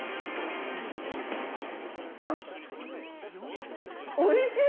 あっ、おいしい。